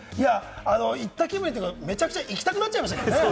行った気分というか、めちゃめちゃ行きたくなりましたけどね。